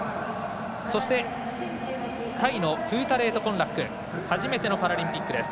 タイのプータレート・コンラック初めてのパラリンピック。